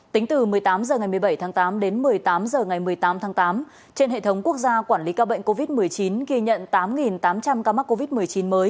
tính từ một mươi tám h ngày một mươi bảy tháng tám đến một mươi tám h ngày một mươi tám tháng tám trên hệ thống quốc gia quản lý ca bệnh covid một mươi chín ghi nhận tám tám trăm linh ca mắc covid một mươi chín mới